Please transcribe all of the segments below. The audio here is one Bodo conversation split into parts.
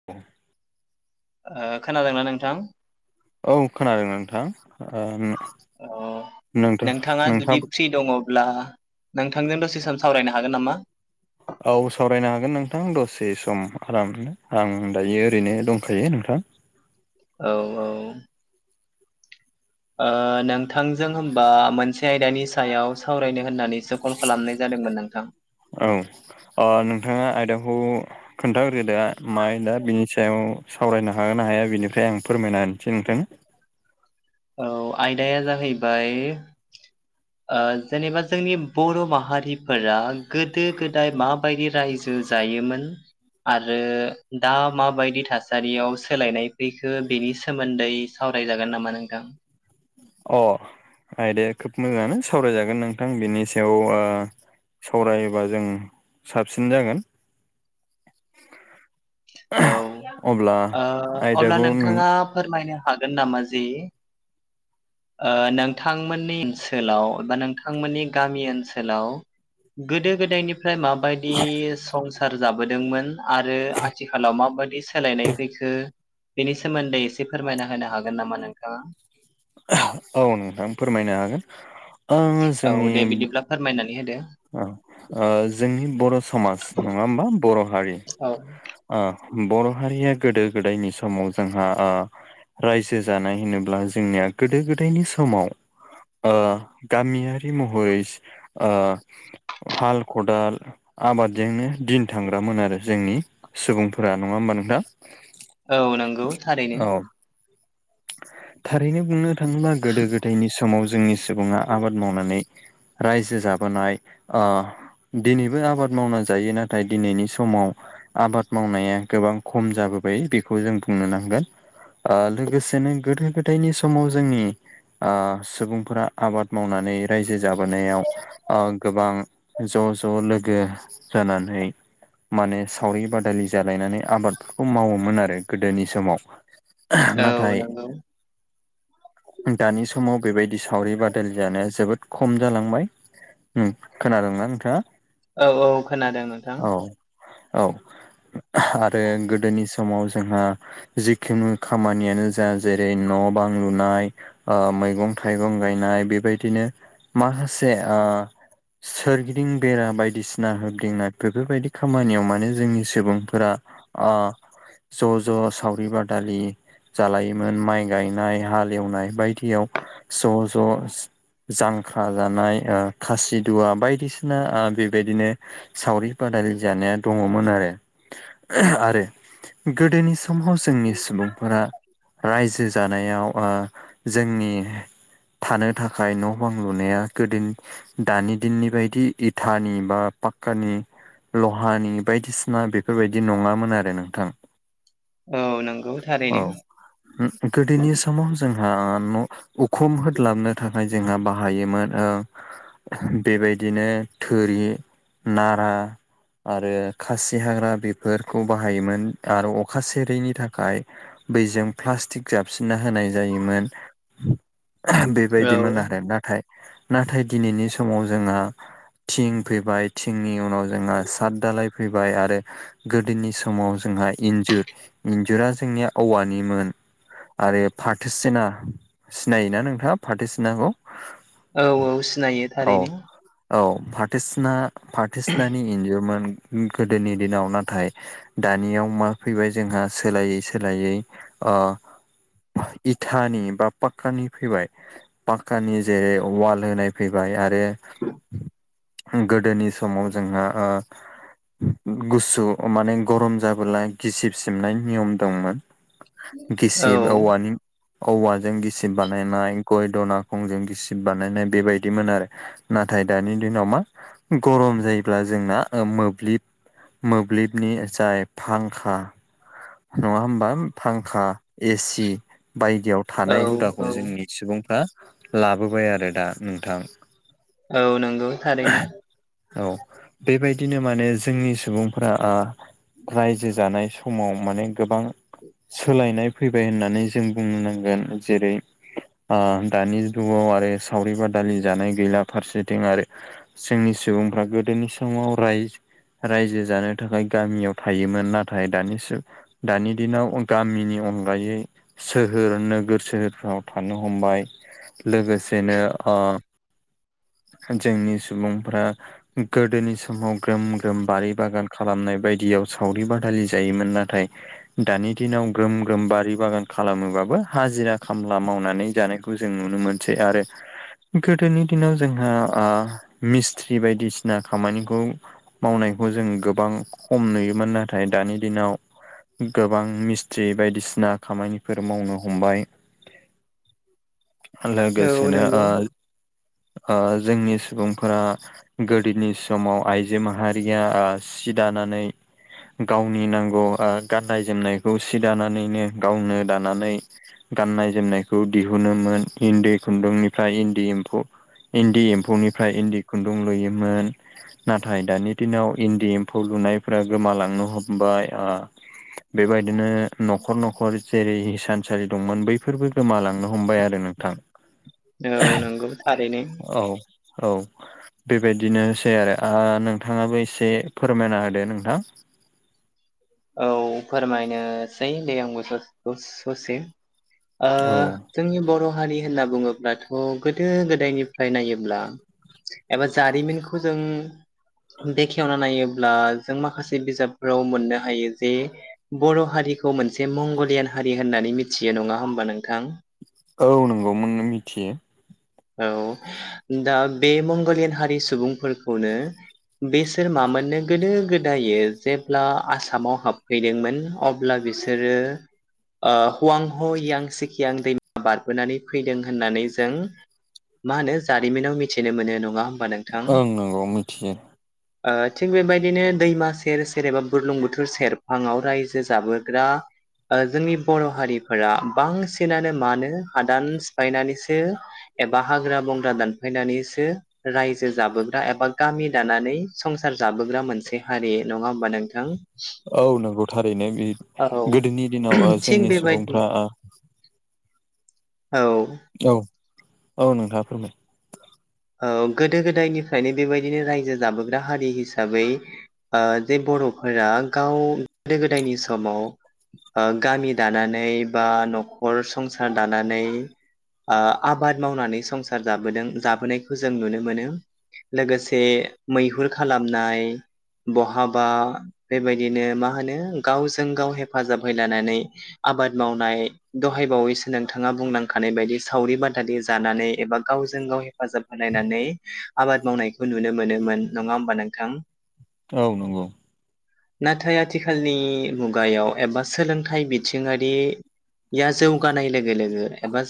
[inaudible] ओ खोनादोंना नोंथां। औ खोनादों नोंथां औ ओ नोंथां नोंथाङा जुदि नोंथाङाबो फ्रि दङब्ला नोंथांजों दसे सम सावरायनो हागोन नामा औ सावरायनो हागोन नोंथां दसे सम आरामनो आं दायो ओरैनो दंखायो नोंथां औ-औ ओ नोंथांजों होमबा मोनसे। बे आयदानि सायाव सावरायनो होननानैसो कल खालामनाय जादोंमोन नोंथां। औ अ नोंथांङा आयदाखौ। खोन्थाग्रो दा माय दा बिनि सायाव सावरायनो हागोन ना हाया बेनिफ्राय आं फोरमायनाहोनोसै नोंथां औ आयदाया जाहैबाय। [inaudible] ओ जेनेबा जोंनि बर' माहारिफोरा गोदो गोदाय माबायदि रायजो जो जायोमोन आरो दा माबायदि थासारियाव सोलायनाय फैखो बेनि सोमोन्दै। सावरायजागोन नामा नोंथां। अ आइदाया खोब मोजाङानो सावरायजागोन नोंथां बेनि सायाव ओ सावरायोबा जों साबसिन जागोन औ अब्ला ओ अब्ला आयदाखौ नों नोंथाङा फोरमायनो हागोन नामा जे ओ नोंथांमोननि ओनसोलाव बा नोंथांमोननि गामि ओनसोलाव गोदो गोदायनिफ्राय माबायदि संसार जाबोदोंमोन आरो थिखालाव माबाददि सोलायनाय फैखो बेनि सोमोन्दै एसे फोरमायना होनो हागोन नामा नोंथाङा औ नोंथां फोरमायनो हागोन ओ औ जोंनि दे बिदिब्ला फोरमायनानै होदो ओ जोंनि बर' समाज नङा होमबा बर' हारि औ ओ बर' हारिया गोदो गोदायनि समाव जोंहा ओ रायजो जानाय होनोब्ला जोंनिया गोदो गोदायनि समाव ओ गामियारि महरै ओ हाल खदाल आबादजोंनो दिन थांग्रामोन आरो जोंनि सुबुंफोरा नङा होमबा नोंथां औ नोंगौ थारैनो औ थारैनो बुंनो थाङोब्ला गोदो गोदायनि समाव जोंनि सुबुङा आबाद मावनानै रायजो जाबोनाय ओ दिनैबो आबाद मावनानै जायो नाथाय दिनैनि समाव आबाद मावनाया गोबां खम जाबोबाय बेखौ जों बुंनो नांगोन लोगोसे जेननो गोदो गोदायनि समाव जोंनि सुबुंफोरा आबाद मावनानै रायजो जाबोनायाव गोबां ज' ज' लोगो जानानै माने सावरि बादालि जालायनानै आबादफोरखौ मावोमोन आरो गोदोनि समाव औ नाथाय नंगौ दानि समाव बेबायदि सावरि बादालि जानाया जोबोद खम जालांबाय ओम खोनादोंना नोंथाङा? औ औ खोनादों नोंथां। औ औ आरो गोदोनि समाव जोंहा जिखुनु खामानियानो जेरै न' बां लुनाय आ मैगं थाइगं गायनाय बेबायदिनो माखासे आ सोरगिदिं बेरा बायदिसिना होदिंना बेफोरबायदि खामानियाव माने जोंनि सुबुंफोरा अ ज' ज' सावरि बादालि जालायोमोन माइ गायनाय हाल एवनाय बायदियाव ज' ज' जांख्रा जानाय खासिदुवा बायदिसिना बेबायदिनो सावरि बादालि जानाया दङमोन आरो। आरो गोदोनि समाव जोंनि सुबुंफोरा रायजो जानायाव जोंनि थानो थाखाय न' बां लुनाया गोदोनि दानि दिननि बायदि इथानि बा पाक्कानि लहानि बायदिसिना बेफोरबायदि नङामोन आरो नोंथां। औ नोंगौ औ थारैनो। गोदोनि समाव जोंहा न' उखुम होद्लाबनो थाखाय जोंहा बाहायोमोन ओ बेबायदिनो थुरि नारा आरो खासि हाग्रा बेफोरखौ बाहायोमोन आरो अखा सेरैनि थाखाय बैजों प्लास्टिक जाबसिनना होनाय जायोमोन। औ बेबायदिमोन आरो नाथाय नाथाय दिनैनि समाव जोंहा थिं फैबाय थिंनि उनाव जोंहा सात दालाय फैबाय आरो गोदोनि समाव जोंहा इन्जुर इन्जुरा जोंनिया औवानिमोन। आरो फाथो सिना सिनायोना नोंथाङा फाथो सिनाखौ? औ औ सिनायो औ थारैनो। औ पाथोसिना फाथोसिनानि एन्जुरमोन। गोदोनि दिनाव नाथाय दानियाव मा फैबाय जोंहा सोलायै सोलायै अ इटानि बा पाक्कानि फैबाय। पाक्कानि जेरै वाल होनाय फैबाय आरो गोदोनि समाव जोंहा ओ गुसु माने गरम जाबोला गिसिब सिबनाय नियम दंमोन औ गिसिब औवानि औवाजों गिसिब बानायनाय गय दनाखंजों गिसिब बानायनाय बेबायदिमोन आरो। नाथाय दानि दिनाव मा गरम जायोब्ला जोंना मोब्लिब मोब्लिबनि जाय फांखा नङा होमबा फांखा एसि बायदियाव औ थानाय हुदाखौ औ जोंनि सुबुंफ्रा लाबोबाय आरो दा नोंथां। औ नंगौ थारैनो औ बेबायदिनो माने जोंनि सुबुंफोरा आ रायजो जानाय समाव माने गोबां सोलायनाय फैबाय होननानै जों बुंनो नांगोन। जेरै आ दानि जुगाव आरो सावरि बादालि जानाय गैला फारसेथिं आरो जोंनि सुबुंफ्रा गोदोनि समाव राय रायजो जानो थाखाय गामियाव थायोमोन नाथाय दानि जुग दानि दिनाव गामिनि अनगायै सोहोर नोगोर सोहोरफ्राव थानो हमबाय लोगोसेनो ओ ओ जोंनि सुबुंफ्रा गोदोनि समाव ग्रोम ग्रोम बारि बागान खालामनाय बायदियाव सावरि बादालि जायोमोन नाथाय दानि दिनाव ग्रोम ग्रोम बारि बागान खालामोबाबो हाजिरा खामला मावनानै जानाय जों नुनो मोनसै आरो गोदोनि दिनाव जोंहा आ मिस्थ्रि बायदिसिना खामानिखौ मावनायखौ जों गोबां खम नुयोमोन नाथाय दानि दिनाव गोबां मिस्ट्रि बायदिसिना खामानिफोर मावनो हमबाय। औ लोगोसेनो नंगौ आ जोंनि सुबुंफोरा गोदोनि समाव आइजो माहारिया सि दानानै गावनि नांगौ गाननाय आ जोमनायखौ सि दानानैनो गावनो दानानै गाननाय जोमनायखौ दिहुनोमोन इन्दि खुन्दुंनिफ्राय इन्दि एम्फौ इन्दि एम्फौनिफ्राय इन्दि खुन्दुं लुयोमोन। नाथाय दानि दिनाव इन्दि एम्फौ लुनायफोरा गोमालांनो हमबाय ओ बेबायदिनो न'खर न'खर जेरै हिसानसालि दंमोन बैफोरबो गोमालांनो हमबाय आरो नोंथां। [unintelligible] औ नंगौ थारैनो। औ औ बेबायदिनोसै आरो ओ नोंथाङाबो एसे फोरमायना होदो नोंथां? औ फोरमायनोसै दे आंबो सस औ ससे ओ औ जोंनि बर' हारि होनना बुङोब्लाथ' गोदो गोदायनिफ्राय नायोब्ला एबा जारिमिनखौ जों बेखेवना नायोब्ला जों माखासे बिजाबफोराव मोननो हायो जे बर' हारिखौ मोनसे मंगलियान हारि होननानै मिथियो नङा होमबा नोंथां औ नंगौमोन मिथियो। औ दा बे मंगलियान हारि सुबुंफोरखौनो बिसोर मामोननो गोदो गोदायो जेब्ला आसामाव हाबफैदोंमोन अब ब्ला बिसोरो ओ हुवां ह यां सिकियां दैमा बारबोनानै फैदों होननानै जों मा होनो जारिमिनाव मिथिनो मोनो नङा होमबा नोंथां ओं नंगौ मिथियो ओ थिग बेबायदिनो दैमा सेर सेर एबा बुरलुं बुथुर सेरफांआव रायजो जाबोग्रा ओ जोंनि बर' हारिफोरा बांसिनानो मानो हादान सिफायनानैसो एबा हाग्रा बंग्रा दानफायनानैसो रायजो जाबोग्रा एबा गामि दानानै संसार जाबोग्रा मोनसे हारि नङा होमबा नोंथां औ नंगौ थारैनो बे औ गोदोनि दिनाव ओ थिग जोंनि बेबायदि सुबुंफ्रा ओ औ औ औ नोंथाङा फोरमाय ओ गोदो गोदायनिफ्रायनो बेबायदिनो रायजो जाबोग्रा हारि हिसाबै ओ जे बर'फोरा गाव गोदो गोदायनि समाव ओ गामि दानानै बा न'खर संसार दानानै ओ आबाद मावनानै संसार जाबोदों जाबोनायखौ जों नुनो मोनो। लोगोसे मैहुर खालामनाय बहाबा बेबायदिनो मा होनो गावजों गाव हेफाजाब हैलानानै आबाद मावनाय दहायबावैसो नोंथाङा बुंलांखानाय बायदि सावरि बादालि जानानै एबा गावजों गाव हेफाजाब बानायनानै आबाद मावनायखौ नुनो मोनोमोन नङा होमबा नोंथां औ नंगौ। नाथाय आथिखालनि मुगायाव एबा सोलोंथाइ बिथिङारि या जौगानाय लोगो लोगो एबाज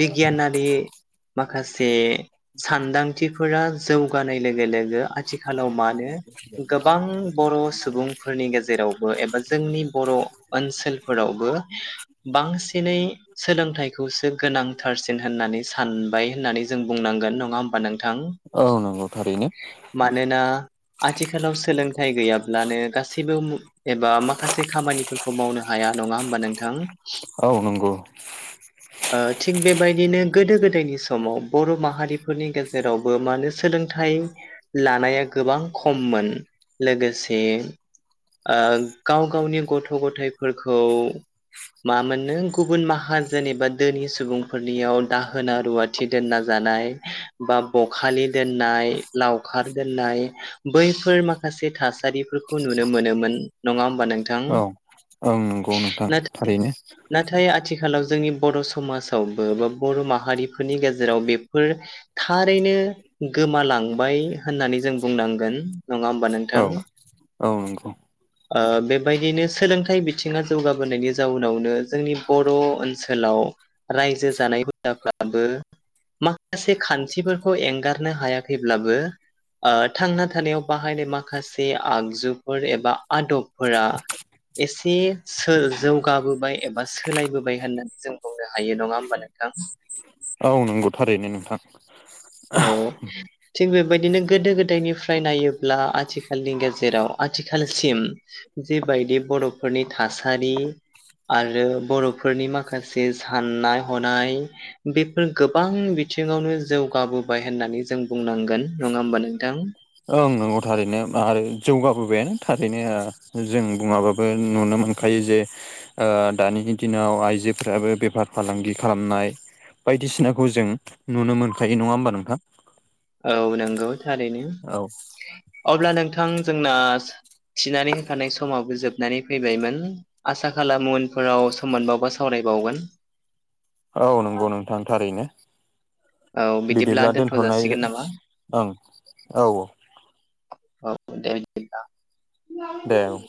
बिगियानारि माखासे सानदांथिफोरा जौगानाय लोगो लोगो आथिखालाव मानो गोबां बर' सुबुंफोरनि गेजेरावबो एबा जोंनि बर' ओनसोलफोरावबो बांसिनै सोलोंथाइखौसो गोनांथारसिन होननानै सानबाय होननानै जों बुंनां नङा होमबा नों औ नंगौ थारैनो मानोना आथिखालाव सोलोंथाइ गैयाब्लानो गासैबो एबा माखासे खामानिफोरखौ मावनो हाया नङा होमबा नोंथां औ नंगौ। ओ थिग बेबायदिनो गोदो गोदायनि समाव बर' माहारि फोरनि गेजेरावबो मानो सोलोंथाइ लानाया गोबां खममोन लोगोसे गाव गावनि गथ' गथाइफोरखौ मा मोनो गुबुन माहाजनि एबा दोनि सुबुंफोरनियाव दाहोना रुवा थि दोनना जानाय बा बखालि दोननाय लावखार दोननाय बैफोर माखासे थासारि फोरखौ नुनो मोनोमोन। नङा होमबा नोंथां औ ओं नंगौ नोंथां नाथाय थारैनो नाथाय आथिखालाव जोंनि बर' समाजावबो बा बर' माहारिफोरनि गेजेराव बेफोर थारैनो गोमालांबाय होननानै जों बुंनांगोन नङा होमबा नों औ औ नंगौ बेबायदिनो सोलोंथाइ बिथिङा जौगाबोनायनि जाउनावनो जोंनि बर' ओनसोलाव रायजो जानाय हुदाफ्राबो माखासे खान्थिफोरखौ एंगारनो हायाखैब्लाबो थांना थानायाव बाहायनाय माखासे आगजुफोर एबा आदबफोरा एसे सो-जौगाबोबाय एबा सोलायबोबाय होननानै जों बुंनो हायो नङा होमबा नों थां औ नंगौ थारैनो नोंथां औ थिग बेबायदिनो गोदो गोदायनिफ्राय नायोब्ला आथिखालनि गेजेराव आथिखालसिम जिबायदि बर'फोरनि थासारि आरो बर'फोरनि माखासे साननाय हनाय बेफोर गोबां बिथिङावनो जौग गाबोबाय होननानै जों बुंनांगोन नङा होमबा नोंथां। ओं नंगौ थारैनो आरो जौगाबोबायानो थारैनो जों बुङाबाबो नुनो मोन खायो जे दानि दिनाव आइजोफोराबो बेफार फालांगि खालामनाय बायदिसिनाखौ जों नुनो मोनखायो नङा होमबा नोंथा। औ नंगौ थारैनो औ अब्ला नोंथां जोंना थिनानै होखानाय समावबो जोबनानै फैबायमोन। आसा खालाम उनफोराव सम मोनबावबा सावरायबावगोन औ नंगौ नोंथां थारैनो औ बिदिब्ला दोनथ' दोनथ'नाय जासिगोन नामा जासि ओं औ औ दे बिदिब्ला दे औ